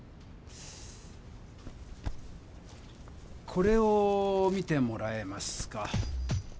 これを見てもらえますか？